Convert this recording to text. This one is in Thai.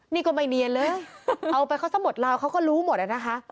นี่ก็ไม่เนียนเลยเอาไปเขาซะหมดลาวเขาก็รู้หมดอะนะคะ